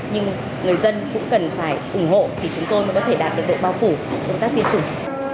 nhưng người dân cũng cần phải ủng hộ thì chúng tôi mới có thể đạt được độ bao phủ công tác tiêm chủng